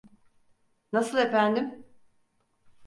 Nasıl efendim?